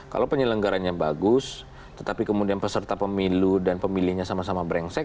kalau penyelenggarannya bagus tetapi kemudian peserta pemilu dan pemilihnya sama sama brengsek